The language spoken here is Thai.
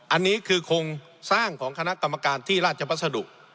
อันนี้คือโครงสร้างของคณะกรรมการที่ราชพัสดุ